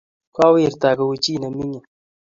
Kowirata kou chii ne mining